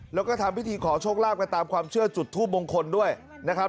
แล้วก็ทำพิธีขอโชคลาภกันตามความเชื่อจุดทูปมงคลด้วยนะครับ